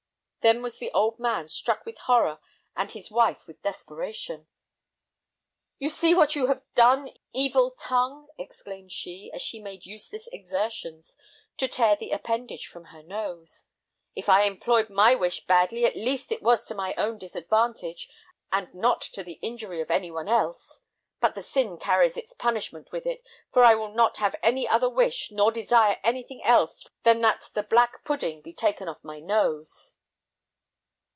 Then was the old man struck with horror and his wife with desperation! "You see what you have done, evil tongue!" exclaimed she, as she made useless exertions to tear the appendage from her nose; "if I employed my wish badly, at least it was to my own disadvantage, and not to the injury of any one else; but the sin carries its punishment with it, for I will not have any other wish, nor desire anything else than that the black pudding be taken off my nose."